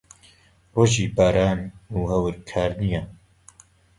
ڕۆژی باران و هەور کار نییە.